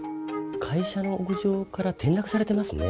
会社の屋上から転落されてますね。